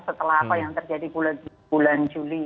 setelah apa yang terjadi bulan juli